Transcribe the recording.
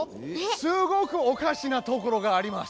すごくおかしなところがあります。